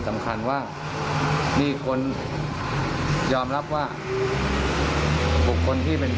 ในวิทยาศาสตร์สุนัข